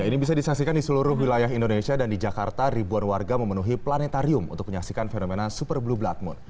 ini bisa disaksikan di seluruh wilayah indonesia dan di jakarta ribuan warga memenuhi planetarium untuk menyaksikan fenomena super blue blood moon